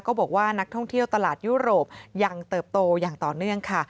บอกว่านักท่องเที่ยวตลาดยุโรปยังเติบโตอย่างต่อเนื่องค่ะ